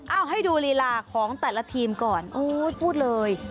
เอาให้ดูลีลาของแต่ละทีมก่อนโอ๊ยพูดเลย